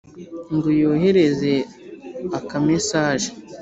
ngo yohereze aka mesage